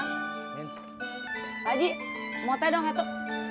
pak haji mau teh dong satu